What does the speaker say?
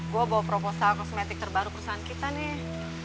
gue bawa proposal kosmetik terbaru perusahaan kita nih